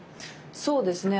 そうですね